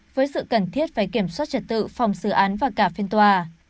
với sự cần thiết về kiểm soát trật tự phòng xử án và cả phiên tòa